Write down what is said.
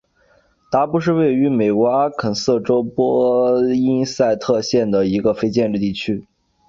达布是位于美国阿肯色州波因塞特县的一个非建制地区。